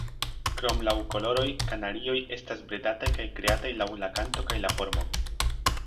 Krom laŭ koloroj, kanarioj estas bredataj kaj kreataj laŭ la kanto kaj la formo.